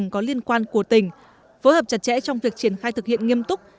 có liên quan của tỉnh phối hợp chặt chẽ trong việc triển khai thực hiện nghiêm túc